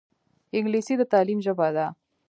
انګلیسي د تعلیم ژبه ده